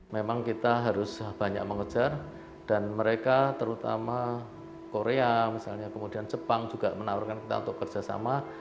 memang kita harus banyak mengejar dan mereka terutama korea misalnya kemudian jepang juga menawarkan kita untuk kerjasama